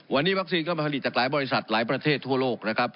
วันนี้วัคซีนก็มาผลิตจากหลายบริษัทหลายประเทศทั่วโลกนะครับ